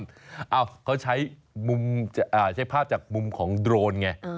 ไม่ใช่โดเรมอนเขาใช้ภาพจากมุมของโดรนไง